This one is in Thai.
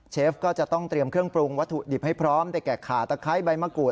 เชฟก็จะต้องเตรียมเครื่องปรุงวัตถุดิบให้พร้อมได้แก่ขาตะไคร้ใบมะกรูด